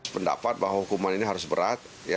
pendapat bahwa hukuman ini harus berat